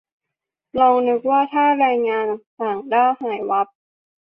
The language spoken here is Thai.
ลองนึกว่าถ้าแรงงานต่างด้าวหายวับ